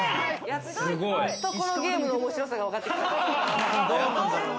やっとこのゲームの面白さが分かってきた。